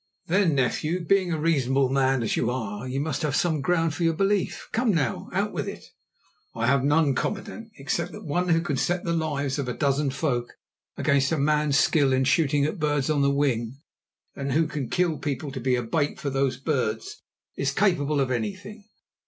"Then, nephew, being a reasonable man as you are, you must have some ground for your belief. Come now, out with it." "I have none, commandant, except that one who can set the lives of a dozen folk against a man's skill in shooting at birds on the wing, and who can kill people to be a bait for those birds, is capable of anything.